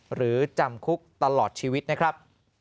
หรือจำคุกตลอดชีวิตนะครับ